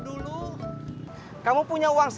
buat tarian moje